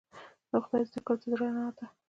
د خدای ذکر د زړه رڼا ده.